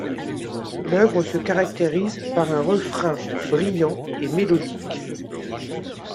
L'œuvre se caractérise par un refrain brillant et mélodique.